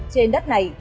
trên đất này